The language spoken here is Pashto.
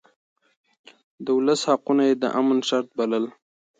د ولس حقونه يې د امن شرط بلل.